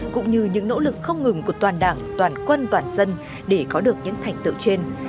cũng như những nỗ lực không ngừng của toàn đảng toàn quân toàn dân để có được những thành tựu trên